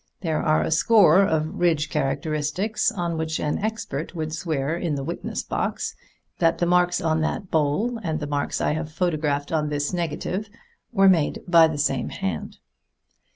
There are a score of ridge characteristics on which an expert would swear in the witness box that the marks on that bowl and the marks I have photographed on this negative were made by the same hand."